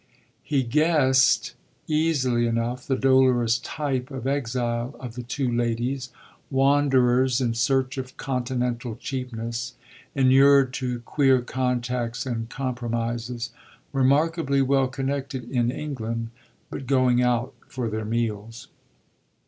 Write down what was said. He guessed easily enough the dolorous type of exile of the two ladies, wanderers in search of Continental cheapness, inured to queer contacts and compromises, "remarkably well connected" in England, but going out for their meals.